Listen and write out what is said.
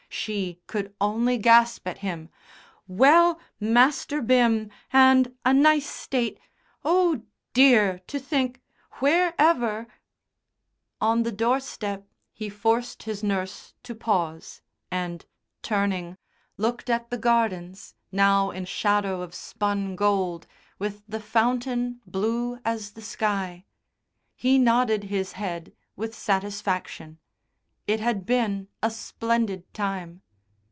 She could only gasp at him. "Well, Master Bim, and a nice state Oh, dear! to think; wherever " On the doorstep he forced his nurse to pause, and, turning, looked at the gardens now in shadow of spun gold, with the fountain blue as the sky. He nodded his head with satisfaction. It had been a splendid time.